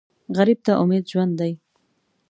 غریب ته امید ژوند دی